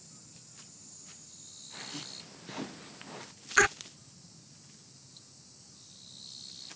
あっ。